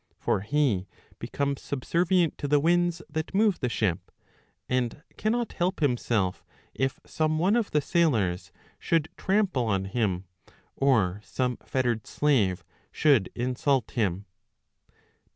For he becomes subservient to the winds that move the ship, [[and cannot help himself] if some one of the sailors should trample on him, or some fettered slave should insult him.